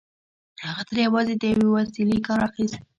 هغه ترې یوازې د یوې وسيلې کار اخيست